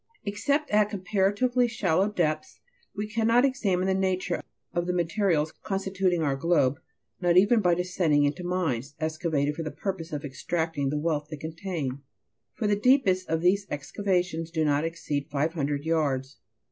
5. Except at comparatively shallow depths, we cannot examine the nature of the materials constituting our globe, not even by descending into mines, excavated for the purpose of extracting the wealth they contain ; for the deepest of these excavations do not exceed 500 yards.